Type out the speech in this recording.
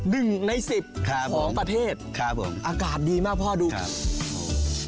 หนึ่งในสิบครับของประเทศครับผมอากาศดีมากพ่อดูครับ